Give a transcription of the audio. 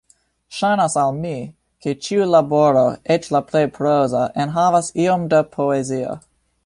Ŝajnas al mi, ke ĉiu laboro, eĉ la plej proza, enhavas iom da poezio.